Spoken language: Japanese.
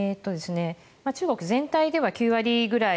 中国全体では９割ぐらい。